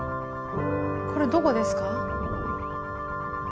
これどこですか？